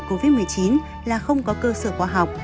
covid một mươi chín là không có cơ sở khoa học